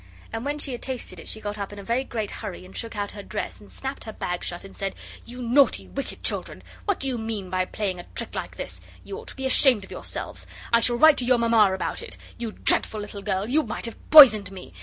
And when she had tasted it she got up in a very great hurry, and shook out her dress and snapped her bag shut, and said, 'You naughty, wicked children! What do you mean by playing a trick like this? You ought to be ashamed of yourselves! I shall write to your Mamma about it. You dreadful little girl! you might have poisoned me.